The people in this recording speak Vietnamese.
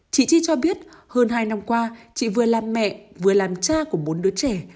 chị chi cho biết hơn hai năm qua chị vừa làm mẹ vừa làm cha của bốn đứa trẻ